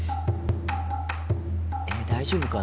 えっ大丈夫かな？